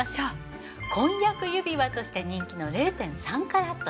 婚約指輪として人気の０．３カラット。